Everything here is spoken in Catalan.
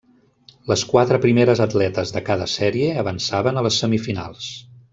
Les quatre primeres atletes de cada sèrie avançaven a les semifinals.